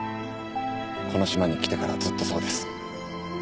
この島に来てからずっとそうです。